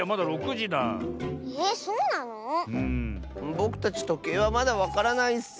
ぼくたちとけいはまだわからないッス！